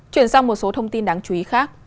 chuyển sang một số thông tin đáng chú ý khác